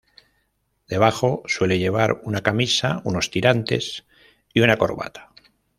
Debajo suele llevar una camisa, unos tirantes y una corbata.